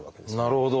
なるほど。